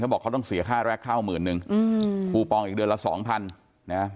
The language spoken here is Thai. บอกเขาต้องเสียค่าแรกเข้าหมื่นนึงอืมคูปองอีกเดือนละสองพันนะ